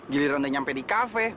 giliran dia sampai di kafe